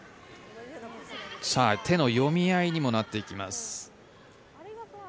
手の読み合いにもなっていきます。